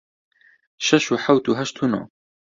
شەش و حەوت و هەشت و نۆ